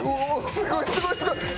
すごいすごいすごい！